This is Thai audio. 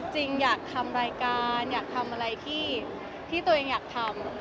จริงอยากทำอะไรการอยากทำอะไรที่อยากทำ